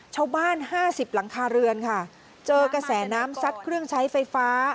ห้าสิบหลังคาเรือนค่ะเจอกระแสน้ำซัดเครื่องใช้ไฟฟ้า